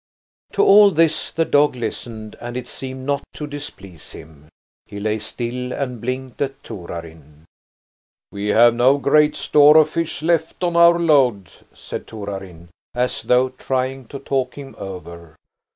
To all this the dog listened, and it seemed not to displease him. He lay still and blinked at Torarin. "We have no great store of fish left on our load," said Torarin, as though trying to talk him over.